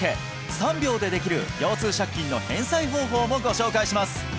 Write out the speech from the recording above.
３秒でできる腰痛借金の返済方法もご紹介します！